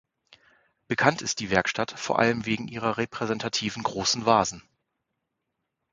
Bekannt ist die Werkstatt vor allem wegen ihrer repräsentativen, großen Vasen.